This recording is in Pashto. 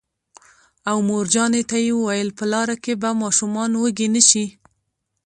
او مورجانې ته یې وویل: په لاره کې به ماشومان وږي نه شي